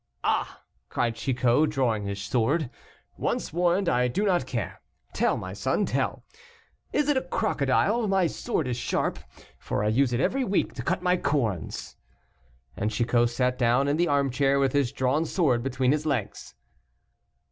"Ah!" cried Chicot, drawing his sword, "once warned, I do not care; tell, my son, tell. Is it a crocodile? my sword is sharp, for I use it every week to cut my corns." And Chicot sat down in the armchair with his drawn sword between his legs.